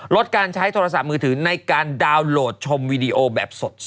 ลดการใช้โทรศัพท์มือถือในการดาวน์โหลดชมวีดีโอแบบสด